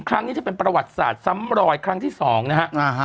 ครั้งนี้จะเป็นประวัติศาสตร์ซ้ำรอยครั้งที่สองนะฮะ